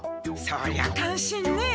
そりゃ感心ね。